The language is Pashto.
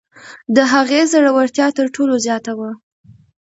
د هغې زړورتیا تر ټولو زیاته وه.